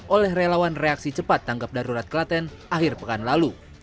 oleh relawan reaksi cepat tanggap darurat klaten akhir pekan lalu